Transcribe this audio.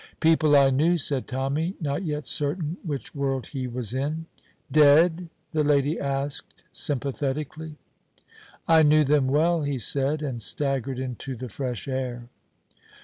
"People I knew," said Tommy, not yet certain which world he was in. "Dead?" the lady asked sympathetically. "I knew them well," he said, and staggered into the fresh air.